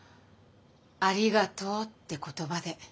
「ありがとう」って言葉で。